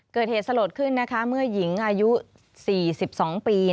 เกิดเหตุสลดขึ้นนะคะเมื่อหญิงอายุ๔๒ปี